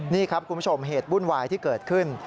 นี่ครับคุณผู้ชมเหตุวุ่นวายที่เกิดขึ้น